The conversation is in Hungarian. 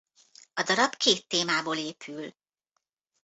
A darab két témából épül.